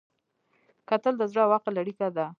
کتل د زړه او عقل اړیکه ده